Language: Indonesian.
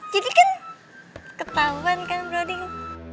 jadi kan ketahuan kan boroding